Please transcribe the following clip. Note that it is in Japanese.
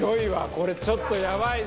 これちょっとやばいぞ！